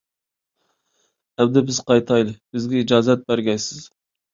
ئەمدى بىز قايتايلى، بىزگە ئىجازەت بەرگەيسىز؟!